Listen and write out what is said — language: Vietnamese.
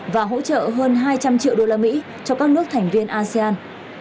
và hỗ trợ hơn hai trăm linh triệu đô la mỹ cho các nước thành viên asean